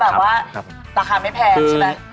แบบว่าราคาไม่แพงใช่ไหม